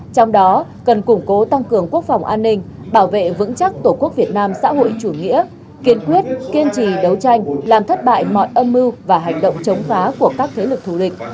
trong đó cần củng cố tăng cường quốc phòng an ninh bảo vệ vững chắc tổ quốc việt nam xã hội chủ nghĩa kiên quyết kiên trì đấu tranh làm thất bại mọi âm mưu và hành động chống phá của các thế lực thù địch